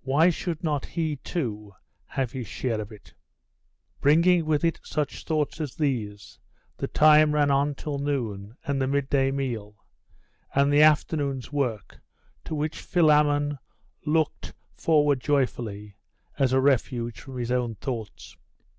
Why should not he, too, have his share of it? Bringing with it such thoughts as these, the time ran on till noon, and the mid day meal, and the afternoon's work, to which Philammon looked forward joyfully, as a refuge from his own thoughts.